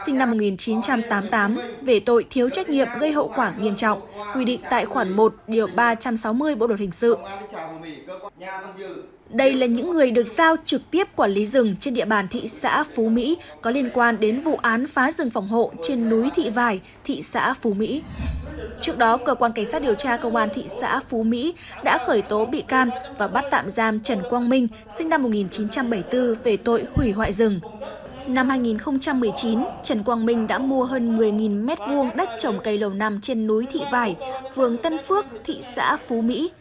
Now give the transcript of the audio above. năm hai nghìn một mươi chín trần quang minh đã mua hơn một mươi m hai đất trồng cây lầu nằm trên núi thị vải vườn tân phước thị xã phú mỹ